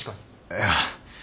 いや。